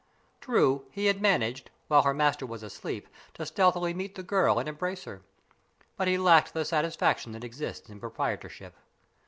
True, he had managed, while her master was asleep, to stealthily meet the girl and embrace her; but he lacked the satisfaction that exists in proprietorship.